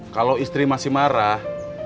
kalau istri masih marah